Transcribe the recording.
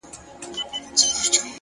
هره لاسته راوړنه ثبات غواړي